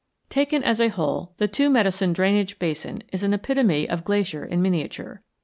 Taken as a whole, the Two Medicine drainage basin is an epitome of Glacier in miniature.